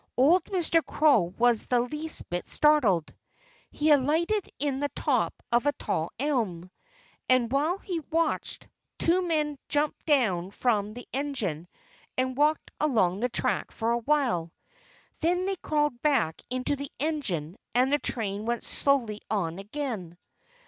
Old Mr. Crow was the least bit startled. He alighted in the top of a tall elm. And while he watched, two men jumped down from the engine and walked along the track for a while. Then they crawled back into the engine; and the train went slowly on again.